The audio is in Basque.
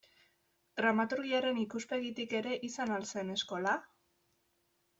Dramaturgiaren ikuspegitik ere izan al zen eskola?